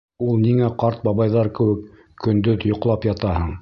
Ул ниңә ҡарт бабайҙар кеүек көндөҙ йоҡлап ятаһың?